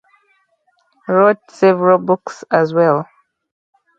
Wrote several Book's as well.